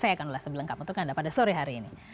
saya akan ulas lebih lengkap untuk anda pada sore hari ini